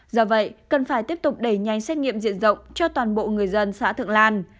do vậy cần phải tiếp tục đẩy nhanh xét nghiệm diện rộng cho toàn bộ người dân xã thượng lan